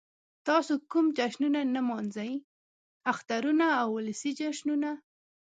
تاسو کوم جشنونه نمانځئ؟ اخترونه او ولسی جشنونه